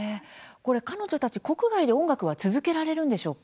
彼女たち、国外で音楽は続けられるんでしょうか。